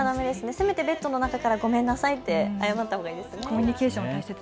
せめてベッドの中からごめんなさいって謝ったほうがいいですね。